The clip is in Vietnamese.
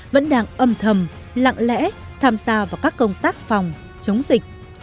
vẫn đang âm thầm lặng lẽ tham gia vào các công tác phòng chống dịch